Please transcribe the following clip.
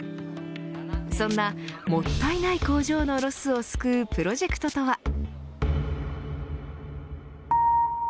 そんなもったいない工場のロスを救うプロジェクトとは。